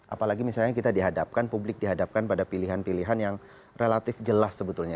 apalagi misalnya kita dihadapkan publik dihadapkan pada pilihan pilihan yang relatif jelas sebetulnya